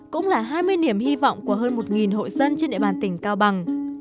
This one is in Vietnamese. cũng là hai mươi niềm hy vọng của hơn một hội dân trên đài bàn tỉnh cao bằng